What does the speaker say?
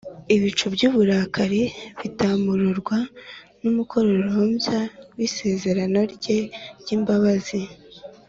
Ibicu by’uburakari bitamururwa n’umukororombya w’isezerano rye ry’imbabazi.